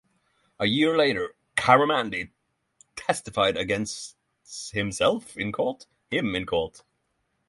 A year later, Caramandi testified against him in court.